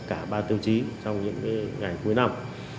cả ba tiêu chí trong những ngày cuối năm